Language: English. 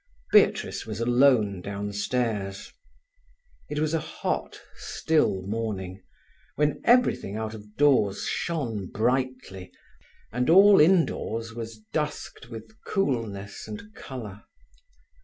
Beatrice was alone downstairs. It was a hot, still morning, when everything outdoors shone brightly, and all indoors was dusked with coolness and colour.